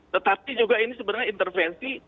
tetapi juga ini sebenarnya intervensi